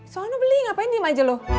soalnya beli ngapain diem aja loh